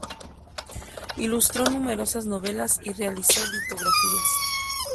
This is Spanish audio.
Ilustró numerosas novelas y realizó litografías.